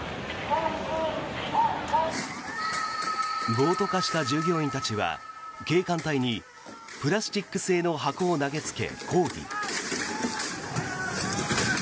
暴徒化した従業員たちは警官隊にプラスチック製の箱を投げつけ、抗議。